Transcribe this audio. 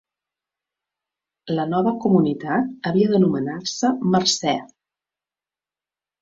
La nova comunitat havia d'anomenar-se Mercer.